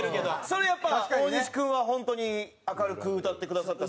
それやっぱ大西君はホントに明るく歌ってくださったし。